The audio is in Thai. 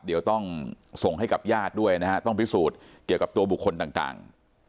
เดี๋ยวต้องส่งให้กับญาติด้วยนะฮะต้องพิสูจน์เกี่ยวกับตัวบุคคลต่าง